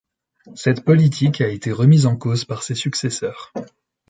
Cette politique a été remise en cause par ses successeurs.